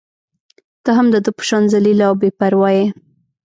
ته هم د ده په شان ذلیله او بې پرواه يې.